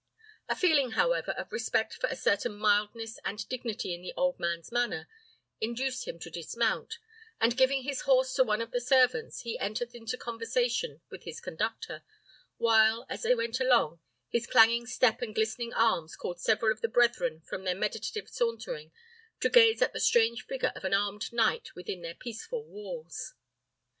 A feeling, however, of respect for a certain mildness and dignity in the old man's manner, induced him to dismount; and giving his horse to one of the servants, he entered into conversation with his conductor, while, as they went along, his clanging step and glistening arms called several of the brethren from their meditative sauntering, to gaze at the strange figure of an armed knight within their peaceful walls.